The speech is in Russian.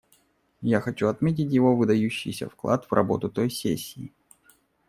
Я хочу отметить его выдающийся вклад в работу той сессии.